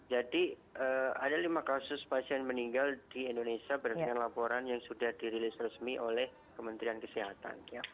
jadi ada lima kasus pasien meninggal di indonesia berdasarkan laporan yang sudah dirilis resmi oleh kementerian kesehatan